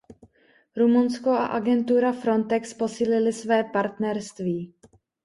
Rumunsko a agentura Frontex posílily své partnerství.